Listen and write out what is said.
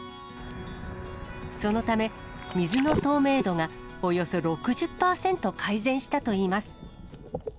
そのため、水の透明度がおよそ６０％改善したといいます。